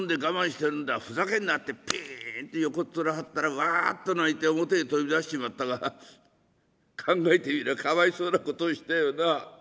ふざけんな』ってびんって横っ面はったらわっと泣いて表へ飛び出しちまったが考えてみればかわいそうなことをしたよな。